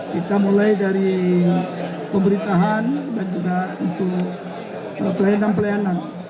kita mulai dari pemerintahan dan juga untuk pelayanan pelayanan